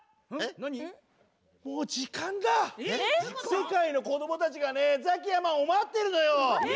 世界のこどもたちがねザキヤマンをまってるのよ。